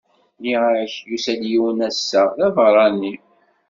Nniɣ-ak yusa-d yiwen ass-a! d aberrani.